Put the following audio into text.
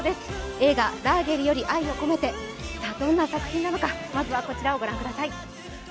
映画「ラーゲリより愛を込めて」、どんな作品なのかまずは、こちらをご覧ください。